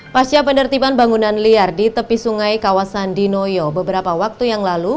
pasca penertiban bangunan liar di tepi sungai kawasan dinoyo beberapa waktu yang lalu